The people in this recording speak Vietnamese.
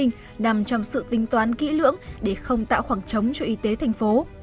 nằm trong sự tính toán kỹ lưỡng để không tạo khoảng trống cho y tế thành phố